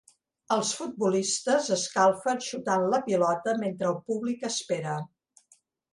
Els futbolistes escalfen xutant la pilota mentre el públic espera.